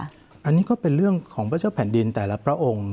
อันนี้ก็เป็นเรื่องของพระเจ้าแผ่นดินแต่ละพระองค์